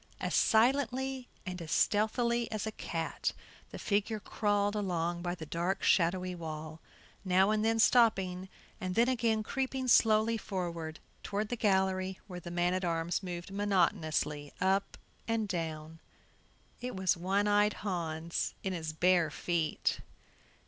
As silently and as stealthily as a cat the figure crawled along by the dark shadowy wall, now and then stopping, and then again creeping slowly forward toward the gallery where the man at arms moved monotonously up and down. It was One eyed Hans in his bare feet.